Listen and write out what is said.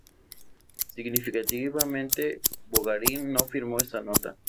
Significativamente Bogarín no firmó esa nota.